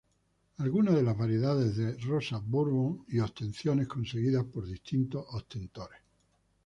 Algunas de las variedades de rosa Bourbon y obtenciones conseguidas por distintos obtentores.